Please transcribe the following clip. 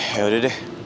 ya udah deh